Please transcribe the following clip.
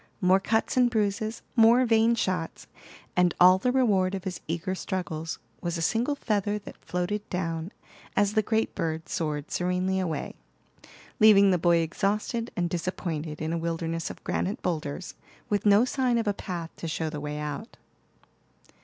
More cuts and bruises, more vain shots, and all the reward of his eager struggles was a single feather that floated down as the great bird soared serenely away, leaving the boy exhausted and disappointed in a wilderness of granite boulders, with no sign of a path to show the way out.